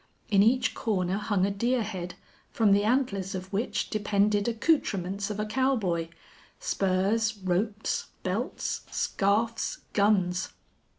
In each corner hung a deer head, from the antlers of which depended accoutrements of a cowboy spurs, ropes, belts, scarfs, guns.